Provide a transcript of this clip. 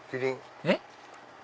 えっ？